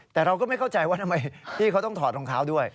แต่เราก็ไม่เข้าใจว่าทำไมพี่เขาต้องถอดรองเท้าด้วย